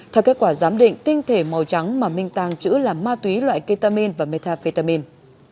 theo kết quả giám định tinh thể màu trắng mà minh tàng chữ là ma túy loại ketamin và metafetamin